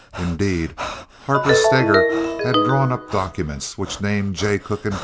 Indeed, Harper Steger had drawn up documents which named Jay Cooke & Co.